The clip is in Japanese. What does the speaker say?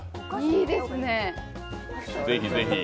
いいですね。